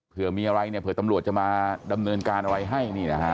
เผื่อมีอะไรเนี่ยเผื่อตำรวจจะมาดำเนินการอะไรให้